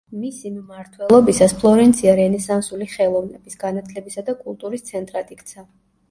მისი მმართველობისას ფლორენცია რენესანსული ხელოვნების, განათლებისა და კულტურის ცენტრად იქცა.